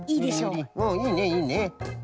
うんいいねいいね。